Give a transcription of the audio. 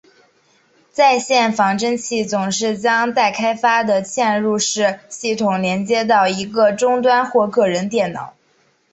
在线仿真器总是将待开发的嵌入式系统连接到一个终端或个人电脑。